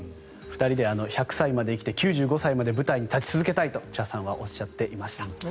２人で１００歳まで生きて９５歳まで舞台に立ち続けたいと茶さんはおっしゃっていました。